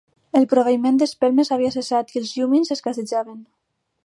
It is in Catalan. El proveïment d'espelmes havia cessat i els llumins escassejaven.